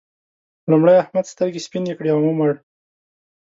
لومړی احمد سترګې سپينې کړې او ومړ.